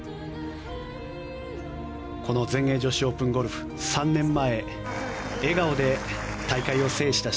この全英女子オープンゴルフ３年前笑顔で大会を制した